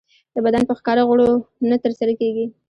د بدن په ښکاره غړو نه ترسره کېږي.